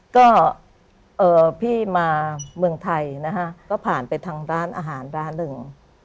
ก็พี่มาเมืองไทยนะฮะก็ผ่านไปทางร้านอาหารร้านหนึ่ง